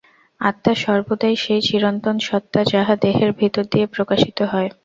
আত্মা সর্বদাই সেই চিরন্তন সত্তা, যাহা দেহের ভিতর দিয়া প্রকাশিত হয়।